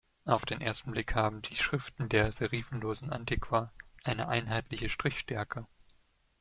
Auf den ersten Blick haben die Schriften der Serifenlosen Antiqua eine einheitliche Strichstärke.